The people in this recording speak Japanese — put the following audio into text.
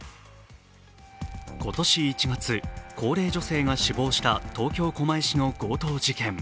今年１月、高齢女性が死亡した東京・狛江市の強盗事件。